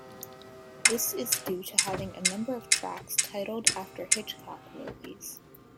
This is due to having a number of tracks titled after Hitchcock movies.